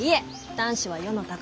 男子は世の宝。